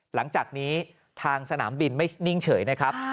หลังจากนี้ทางสนามบินไม่นิ่งเฉยนะครับ